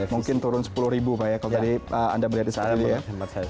mungkin turun sepuluh ribu pak ya kalau tadi anda melihatnya seperti itu ya